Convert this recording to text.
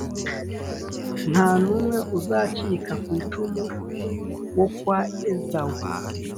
nta n’umwe uzacika ku icumu wo kwa ezawu.